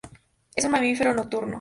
Es un mamífero nocturno.